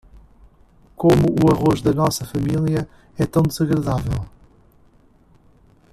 Como o arroz da nossa família é tão desagradável?